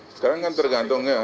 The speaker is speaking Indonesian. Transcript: sekarang kan tergantungnya